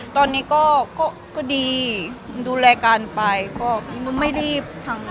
ตอนนี้ก็ดีดูแลกันไปก็ไม่รีบ